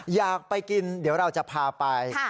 อยากไปกินเดี๋ยวเราจะพาไป